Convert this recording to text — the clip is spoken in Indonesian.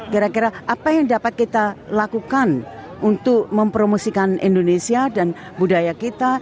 kira kira apa yang dapat kita lakukan untuk mempromosikan indonesia dan budaya kita